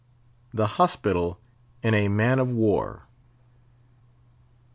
THE HOSPITAL IN A MAN OF WAR.